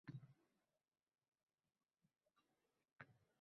Mijoz kerakli axborotni ishlab chiqaruvchi saytidan nechta klikda topa oladi?